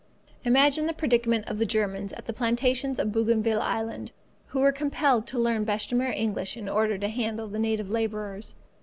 Imagine the predicament of the Germans on the plantations of Bougainville Island, who are compelled to learn bêche de mer English in order to handle the native labourers.